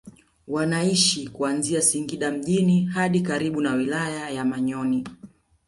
Wanaishi kuanzia Singida mjini hadi karibu na wilaya ya Manyoni